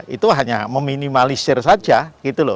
itu hanya meminimalisir saja gitu loh